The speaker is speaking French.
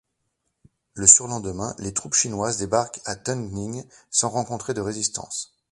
Le surlendemain, les troupes chinoises débarquent à Tungning sans rencontrer de résistance.